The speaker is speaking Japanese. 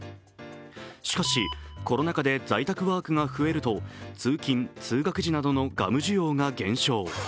しかし、コロナ禍で在宅ワークが増えると、通勤・通学時などのガム需要が減少